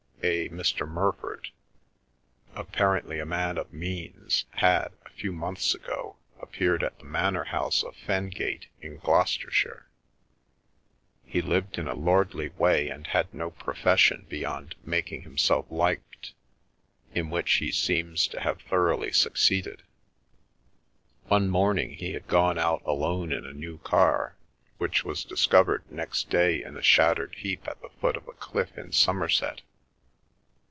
A " Mr. Murford/ apparently a man of means, had, a few months ago, appeared at the Manor House of Fengate, in Gloucester shire. He lived in a lordly way and had no profession beyond making himself liked, in which he seems to have thoroughly succeeded. One morning he had gone out alone in a new car, which was discovered next day in a shattered heap at the foot of a cliff in Somerset.